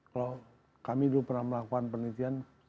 kalau kami dulu pernah melakukan penelitian